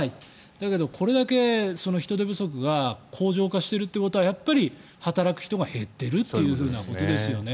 だけど、これだけ人手不足が恒常化してるってことはやっぱり働く人が減っているということですよね。